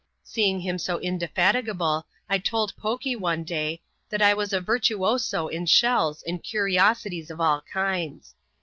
Seeing him so indefatigable, I told Poky one day, that I was a virtuoso in shells and curiositiea of all km<da.